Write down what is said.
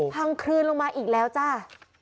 คลืนลงมาอีกแล้วจ้า